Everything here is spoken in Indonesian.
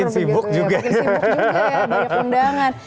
makin sibuk juga ya banyak undangan